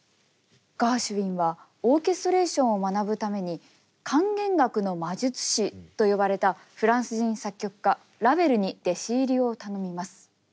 ガーシュウィンはオーケストレーションを学ぶために管弦楽の魔術師と呼ばれたフランス人作曲家ラヴェルに弟子入りを頼みます。